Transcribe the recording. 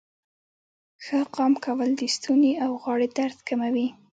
ښه قام کول د ستونې او غاړې درد کموي.